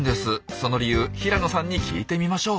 その理由平野さんに聞いてみましょう。